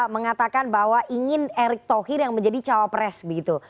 mengatakan bahwa ingin erick thohir yang menjadi cawapres begitu